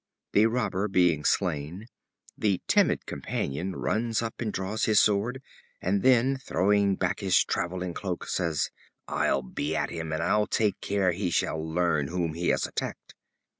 The Robber being slain, the timid companion runs up and draws his sword, and then, throwing back his traveling cloak, says: "I'll at him, and I'll take care he shall learn whom he has attacked."